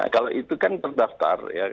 kalau itu kan terdaptar